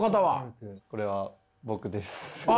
これは僕です。